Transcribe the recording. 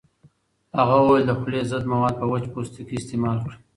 هغه وویل د خولې ضد مواد په وچ پوستکي استعمال کړئ.